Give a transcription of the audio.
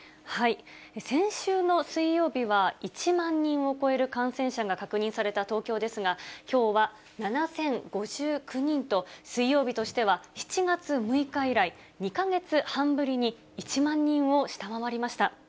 先週の水曜日は１万人を超える感染者が確認された東京ですが、きょうは７０５９人と、水曜日としては７月６日以来、２か月半ぶりに１万人を下回りました。